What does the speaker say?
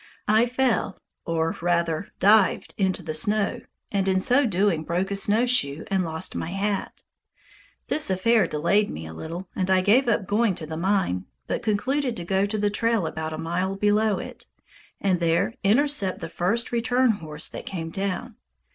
I fell, or rather dived, into the snow, and in so doing broke a snowshoe and lost my hat. This affair delayed me a little, and I gave up going to the mine, but concluded to go to the trail about a mile below it, and there intercept the first return horse that came down.